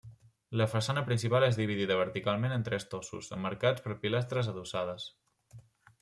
La façana principal és dividida verticalment en tres tossos, emmarcats per pilastres adossades.